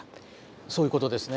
そういうことですね。